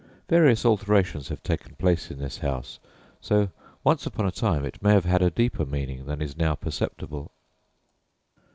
Various alterations have taken place in this house, so once upon a time it may have had a deeper meaning than is now perceptible.